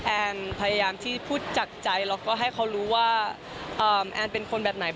แอนพยายามที่พูดจากใจแล้วก็ให้เขารู้ว่าแอนเป็นคนแบบไหน